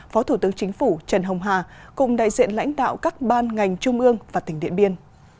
phó thủ tướng chính phủ trần hồng hà cùng đại diện lãnh đạo các ban ngành trung ương và tỉnh điện biên